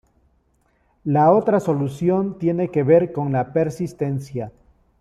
La otra solución tiene que ver con la persistencia.